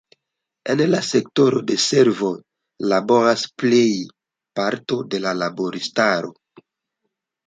En la sektoro de servoj laboras plej parto de la laboristaro.